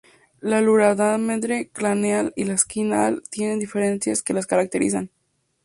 La duramadre craneal y la espinal tienen diferencias que las caracterizan.